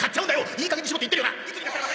いい加減にしろって言ってるよな？